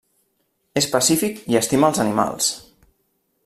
És pacífic i estima els animals.